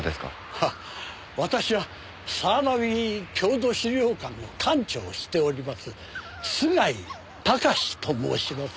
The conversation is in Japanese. ああ私は早蕨郷土資料館の館長をしております菅井崇と申します。